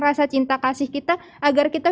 rasa cinta kasih kita agar kita